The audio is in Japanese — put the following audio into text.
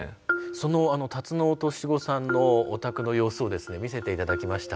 そのタツノオトシゴさんのお宅の様子をですね見せて頂きました。